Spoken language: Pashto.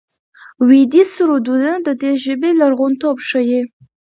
ویدي سرودونه د دې ژبې لرغونتوب ښيي.